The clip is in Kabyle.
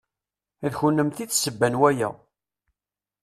D kennemti i d ssebba n waya.